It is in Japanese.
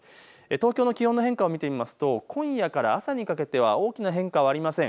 東京の気温の変化を見てみますと今夜から朝にかけては大きな変化はありません。